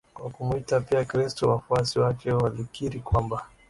Kwa kumuita pia Kristo wafuasi wake walikiri kwamba